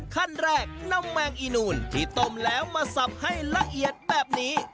ขั้นแรกนำแมงอีนูนที่ต้มแล้วมาสับให้ละเอียดแบบนี้